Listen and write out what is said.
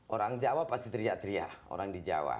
orang jawa pasti teriak teriak orang di jawa